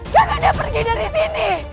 kakanda pergi dari sini